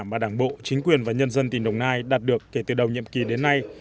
mà đảng bộ chính quyền và nhân dân tỉnh đồng nai đạt được kể từ đầu nhiệm kỳ đến nay